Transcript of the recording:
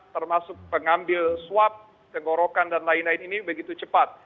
termasuk pengambil swab tenggorokan dan lain lain ini begitu cepat